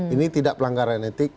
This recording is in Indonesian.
ini tidak pelanggaran etik